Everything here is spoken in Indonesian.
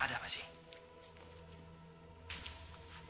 ada apa sih